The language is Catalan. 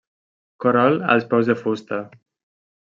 Cor alt als peus de fusta.